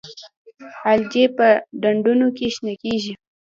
الجی په ډنډونو کې شنه کیږي